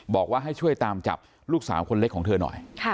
บอกว่าให้ช่วยตามจับลูกสาวคนเล็กของเธอหน่อย